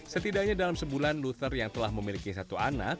setidaknya dalam sebulan lutter yang telah memiliki satu anak